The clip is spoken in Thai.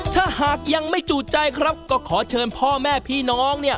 ถ้าหากยังไม่จูดใจครับก็ขอเชิญพ่อแม่พี่น้องเนี่ย